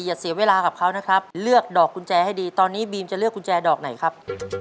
อย่าเสียเวลากับเขานะครับเลือกดอกกุญแจให้ดีตอนนี้บีมจะเลือกกุญแจดอกไหนครับ